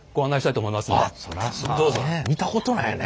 見たことないよね